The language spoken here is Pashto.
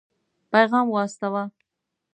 پيغام واستاوه.